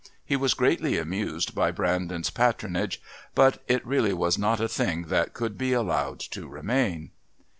He was greatly amused by Brandon's patronage, but it really was not a thing that could be allowed to remain.